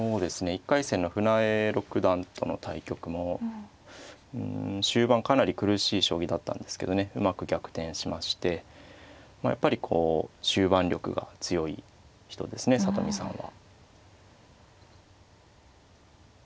１回戦の船江六段との対局もうん終盤かなり苦しい将棋だったんですけどねうまく逆転しましてまあやっぱりこう終盤力が強い人ですね里見さんは。